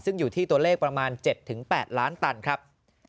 ซึ่งอยู่ที่ตัวเลขประมาณ๗๘ล้านตันครับ